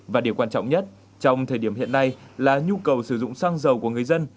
và điều quan trọng nhất trong thời điểm hiện nay là nhu cầu sử dụng xăng dầu của người dân